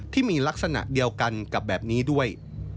ที่มีลักษณะเดียวกันกับแบบนี้ด้วย